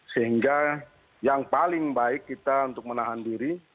sehingga yang paling baik kita untuk menahan diri